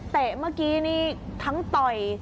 เมื่อกี้นี่ทั้งต่อย